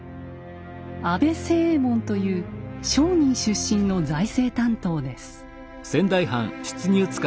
安倍清右衛門という商人出身の財政担当です。